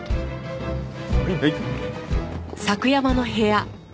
はい。